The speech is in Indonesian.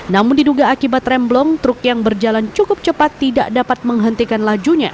namun diduga akibat remblong truk yang berjalan cukup cepat tidak dapat menghentikan lajunya